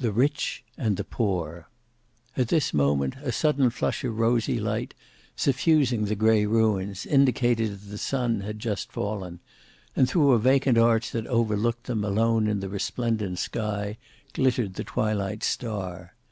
"THE RICH AND THE POOR." At this moment a sudden flush of rosy light, suffusing the grey ruins, indicated that the sun had just fallen; and through a vacant arch that overlooked them, alone in the resplendent sky, glittered the twilight star.